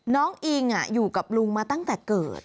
อิงอยู่กับลุงมาตั้งแต่เกิด